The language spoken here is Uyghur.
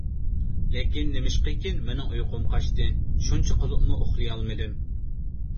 لېكىن نېمىشقىكىن مېنىڭ ئۇيقۇم قاچتى، شۇنچە قىلىپمۇ ئۇخلىيالمىدىم.